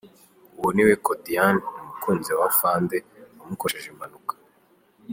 Uwo niwe Kodian umukunzi w’Afande wamukoresheje impanuka